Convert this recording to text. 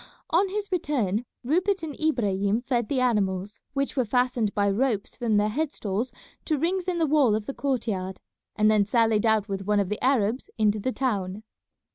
On his return Rupert and Ibrahim fed the animals, which were fastened by ropes from their head stalls to rings in the wall of the court yard, and then sallied out with one of the Arabs into the town.